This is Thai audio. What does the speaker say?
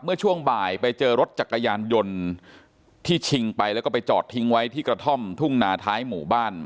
เมื่อช่วงบ่ายไปเจอรถจักรยานยนต์ที่ชิงไปแล้วก็ไปจอดทิ้งไว้ที่กระท่อมทุ่งนาท้ายหมู่บ้าน